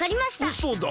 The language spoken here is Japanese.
うそだろ？